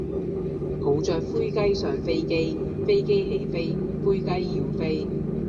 抱著灰雞上飛機，飛機起飛，灰雞要飛